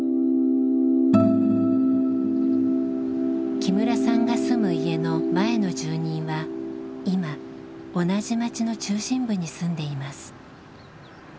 木村さんが住む家の前の住人は今同じ町の中心部に住んでいます。